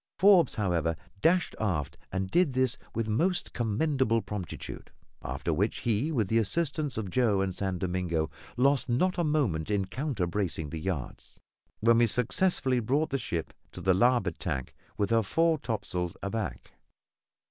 Forbes, however, dashed aft and did this with most commendable promptitude; after which he, with the assistance of Joe and San Domingo, lost not a moment in counter bracing the yards, when we successfully brought the ship to on the larboard tack, with her fore topsail aback.